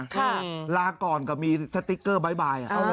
ลาก่อนก็มีสติ๊กเกอร์บ๊ายบาย